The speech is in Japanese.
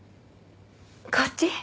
こっち？